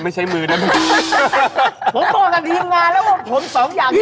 มีมั้ย